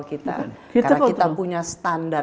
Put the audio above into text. kita karena kita punya standar